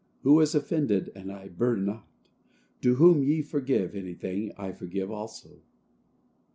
Who is offended, and I burn not?" "To whom ye forgive anything, I forgive also."